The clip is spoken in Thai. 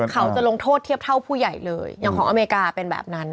เขาจะลงโทษเทียบเท่าผู้ใหญ่เลยอย่างของอเมริกาเป็นแบบนั้น